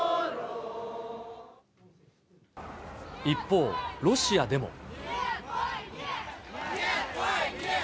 一方、ロシアでも。